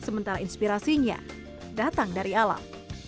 sementara inspirasinya datang dari alam